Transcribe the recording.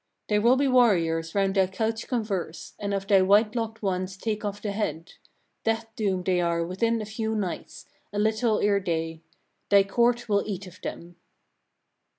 42. "There will warriors round thy couch converse, and of the white locked ones take off the head; death doomed they are within a few nights, a little ere day: thy court will eat of them."